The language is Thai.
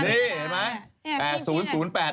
นี่เห็นไหม